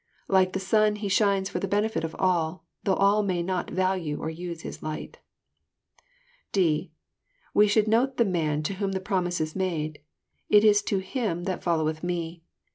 Xike the sun He shines for the benefit of all, though all may not Talue or use His light. (d) We should note the man to whom the promise is made. It is to him " that folio weth Me."